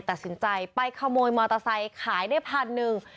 ตัดสินใจไปขโมยมอเตอร์ไซค์ขายได้พันหนึ่ง